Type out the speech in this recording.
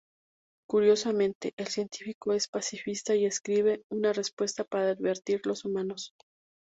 Curiosamente, el científico es pacifista y escribe una respuesta para advertir los humanos.